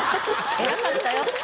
偉かったよ。